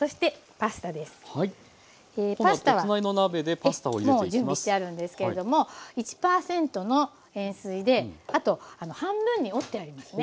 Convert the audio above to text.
パスタはもう準備してあるんですけれども１％の塩水であと半分に折ってありますね。